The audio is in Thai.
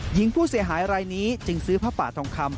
หญิงผู้เสียหายรายนี้จึงซื้อผ้าป่าทองคำ